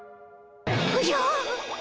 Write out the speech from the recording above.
おじゃ！